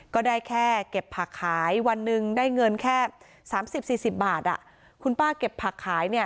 ก็ได้แค่เก็บผักขายวันหนึ่งได้เงินแค่๓๐๔๐บาทคุณป้าเก็บผักขายเนี่ย